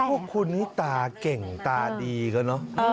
พวกคุณนี่ตาเก่งตาดีก็เนอะ